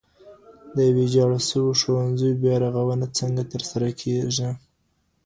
د ویجاړ سویو ښوونځیو بیارغونه څنګه ترسره کیږي؟